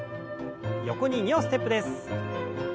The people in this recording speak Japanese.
横に２歩ステップです。